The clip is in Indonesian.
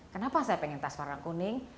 kenapa saya pengen tas warna kuning